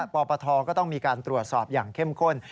ปปทก็ต้องมีการตรวจสอบอย่างเข้มข้น